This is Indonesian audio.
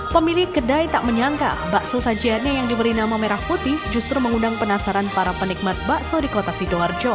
pemilik kedai tak menyangka bakso sajiannya yang diberi nama merah putih justru mengundang penasaran para penikmat bakso di kota sidoarjo